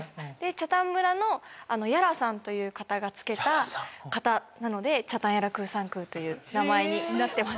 北谷村の屋良さんという方が付けた形なのでチャタンヤラクーサンクーという名前になってます。